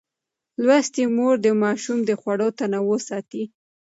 لوستې مور د ماشوم د خوړو تنوع ساتي.